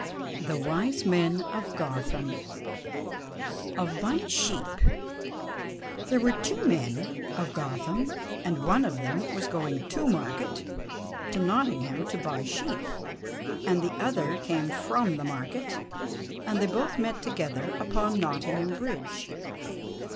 The Wise Men of Gotham OF BUYING OF SHEEP There were two men of Gotham, and one of them was going to market to Nottingham to buy sheep, and the other came from the market, and they both met together upon Nottingham bridge.